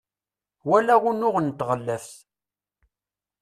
walaɣ unuɣ n tɣellaft